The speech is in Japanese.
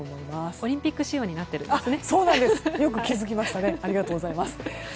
オリンピック仕様になっているんですね。